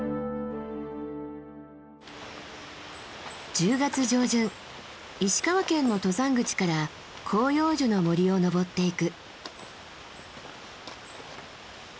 １０月上旬石川県の登山口から広葉樹の森を登っていく。